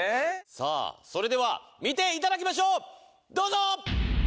さあそれでは見ていただきましょうどうぞ！